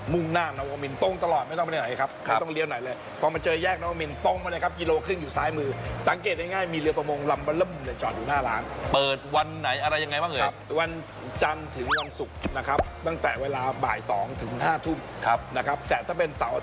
่งหน้านวมินตรงตลอดไม่ต้องไปไหนครับไม่ต้องเลี้ยวไหนเลยพอมาเจอแยกน้องมินตรงมาเลยครับกิโลครึ่งอยู่ซ้ายมือสังเกตง่ายมีเรือประมงลำบลเริ่มมุมเนี่ยจอดอยู่หน้าร้านเปิดวันไหนอะไรยังไงบ้างเอ่ยวันจันทร์ถึงวันศุกร์นะครับตั้งแต่เวลาบ่าย๒ถึง๕ทุ่มครับนะครับแต่ถ้าเป็นเสา